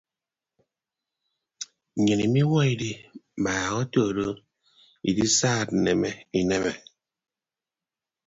Nnyịn imiwuọ idi mbaak otodo idisaad nneme ineme.